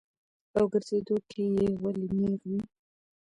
او ګرځېدو کښې ئې ولي نېغ وي -